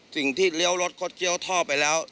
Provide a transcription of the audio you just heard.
สิ่งที่เลี้ยวรถคดเคี้ยวท่อไปแล้ว